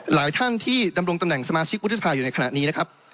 หลายท่านที่ดำรงตำแหน่งสมาชิกวุฒิสภาอยู่ในขณะนี้นะครับ